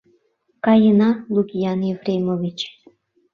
Каена, Лукиан Ефремович.